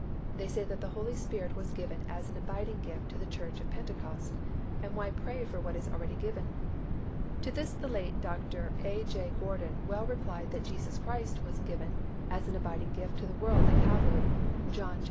They say that the Holy Spirit was given as an abiding gift to the church at Pentecost, and why pray for what is already given? To this the late Rev. Dr. A. J. Gordon well replied that Jesus Christ was given as an abiding gift to the world at Calvary (John iii.